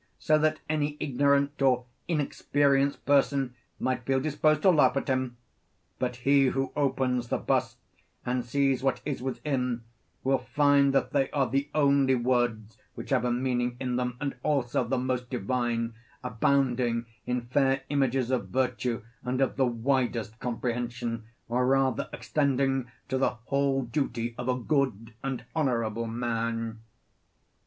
so that any ignorant or inexperienced person might feel disposed to laugh at him; but he who opens the bust and sees what is within will find that they are the only words which have a meaning in them, and also the most divine, abounding in fair images of virtue, and of the widest comprehension, or rather extending to the whole duty of a good and honourable man.